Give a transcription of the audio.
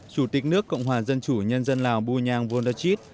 chủ tịch nước cộng hòa dân chủ nhân dân lào bu nhang vô đa chít